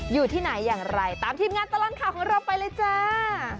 อยู่ที่ไหนอย่างไรตามทีมงานตลอดข่าวของเราไปเลยจ้า